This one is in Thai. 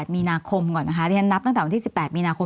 มีนาคมก่อนนะคะเรียนนับตั้งแต่วันที่๑๘มีนาคม